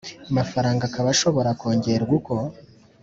Mafaranga akaba ashobora kongerwa uko